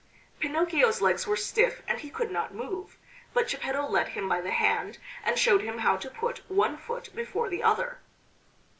Pinocchio's legs were stiff and he could not move, but Geppetto led him by the hand and showed him how to put one foot before the other.